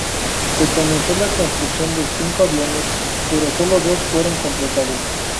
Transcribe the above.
Se comenzó la construcción de cinco aviones, pero solo dos fueron completados.